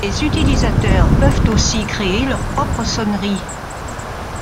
Les utilisateurs peuvent aussi créer leurs propres sonneries.